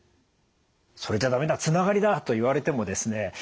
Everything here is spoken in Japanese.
「それじゃ駄目だつながりだ」と言われてもですね